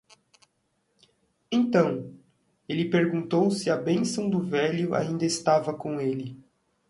Então,? ele perguntou se a bênção do velho ainda estava com ele.